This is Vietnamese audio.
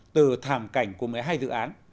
từ thảm cảnh của một mươi hai dự án